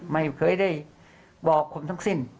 ไม่เคยได้บอกคนทั้งสิ้น